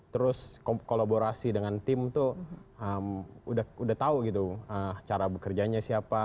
terus kolaborasi dengan tim tuh udah tahu gitu cara bekerjanya siapa